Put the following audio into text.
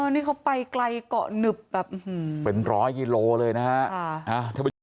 นี่เขาไปไกลเกาะหนึบแบบเป็นร้อยกิโลเลยนะฮะ